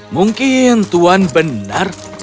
mungkin tuan benar